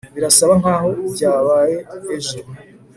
birasa nkaho byabaye ejo